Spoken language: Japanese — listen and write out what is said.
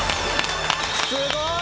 すごい！